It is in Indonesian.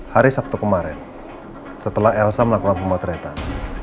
hari sabtu kemarin setelah elsa melakukan pemotretan